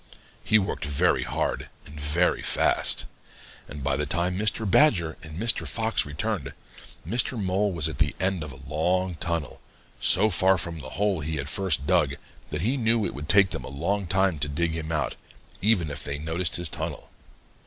He worked very hard and very fast, and by the time Mr. Badger and Mr. Fox returned, Mr. Mole was at the end of a long tunnel, so far from the hole he had first dug that he knew it would take them a long time to dig him out, even if they noticed his tunnel.